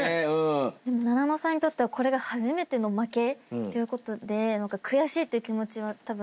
でもななのさんにとってはこれが初めての負けってことで悔しいっていう気持ちはたぶん。